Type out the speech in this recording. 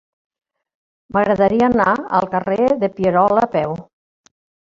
M'agradaria anar al carrer de Pierola a peu.